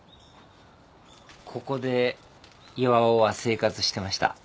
ここで巌は生活してました。